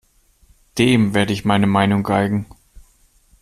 Dem werde ich meine Meinung geigen.